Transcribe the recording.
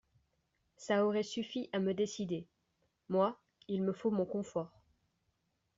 ça aurait suffi à me décider. Moi, il me faut mon confort.